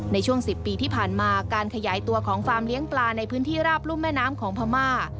ในช่วง๑๐ปีที่ผ่านมาการขยายตัวของฟาร์มเลี้ยงปลาในพื้นที่ราบรุ่มแม่น้ำของพม่า